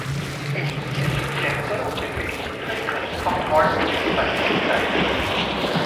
Effiziente und effektive Grenzkontrollen sind daher entscheidend.